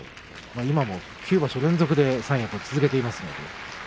今も９場所連続で三役を続けていますので。